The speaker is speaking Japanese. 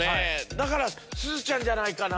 だからすずちゃんじゃないかな。